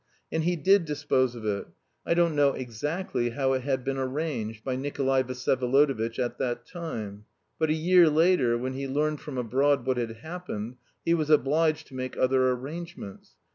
And he did dispose of it. I don't know exactly how it had been arranged by Nikolay Vsyevolodovitch at that time. But a year later, when he learned from abroad what had happened, he was obliged to make other arrangements.